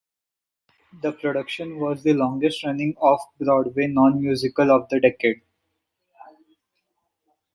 The production was the longest running Off-Broadway non-musical of the decade.